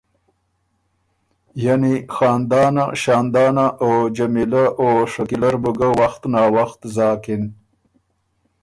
یعنی خاندانه او شاندانه، او جمیلۀ او شکیلۀ بو ګۀ وخت ناوخت زاکِن۔